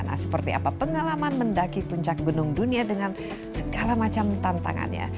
nah seperti apa pengalaman mendaki puncak gunung dunia dengan segala macam tantangannya